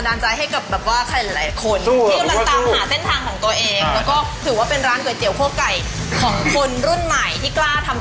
เลิกเบาเบาเพราะลูกทุกอย่าง